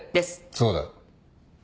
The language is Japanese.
そうだ。